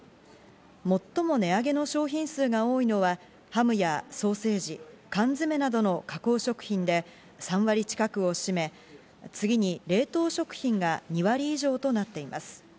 最も値上げの商品数が多いのはハムやソーセージ、缶詰などの加工食品で３割近くを占め、次に冷凍食品が２割以上となっています。